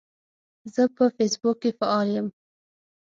زه په فیسبوک کې فعال یم.